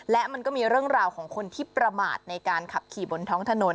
และมันก็มีเรื่องราวของคนที่ประมาทในการขับขี่บนท้องถนน